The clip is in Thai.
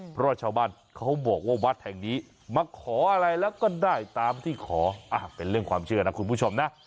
เพราะชาวบ้านเขาบอกว่าวัดแห่งนี้มาขออะไรแล้วก็ได้ตามที่ขอเป็นเรื่องความเชื่อนะคุณผู้ชมนะ